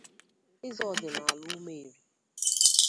Eze ọdịnala Ụmụeri